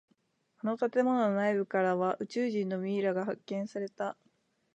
あの建物の内部からは宇宙人のミイラが発見された。